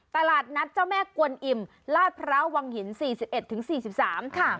ตลาดนัดเจ้าแม่กวนอิ่มลาดพร้าววังหิน๔๑๔๓ค่ะ